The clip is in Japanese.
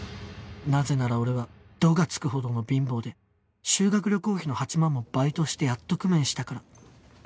なぜなら俺はドがつくほどの貧乏で修学旅行費の８万もバイトしてやっと工面したから